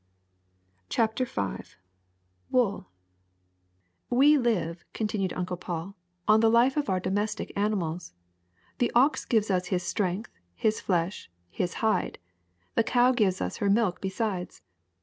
''^ CHAPTER V WOOL WE live," continued Uncle Paul, "on the life of our domestic animals. The ox gives us his strength, his flesh, his hide ; the cow gives us her milk besides.